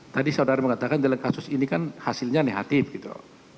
tadi saudara mengatakan dalam kasus ini kan hasilnya negatif gitu